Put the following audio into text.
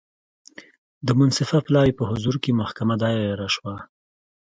د منصفه پلاوي په حضور کې محکمه دایره شوه.